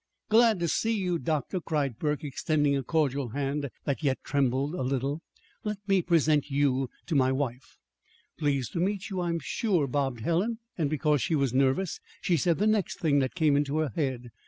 "Glad to see you, doctor," cried Burke, extending a cordial hand, that yet trembled a little. "Let me present you to my wife." "Pleased to meet you, I'm sure," bobbed Helen. And because she was nervous she said the next thing that came into her head.